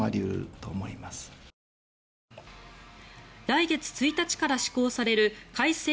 来月１日から施行される改正